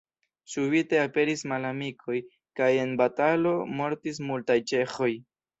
Subite aperis malamikoj kaj en batalo mortis multaj ĉeĥoj.